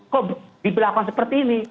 kok diperlakukan seperti ini